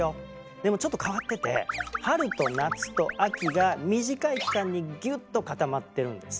でもちょっと変わってて春と夏と秋が短い期間にギュッと固まってるんです。